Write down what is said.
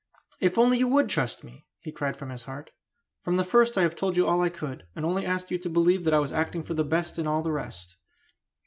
"If only you would trust me!" he cried from his heart. "From the first I have told you all I could, and only asked you to believe that I was acting for the best in all the rest.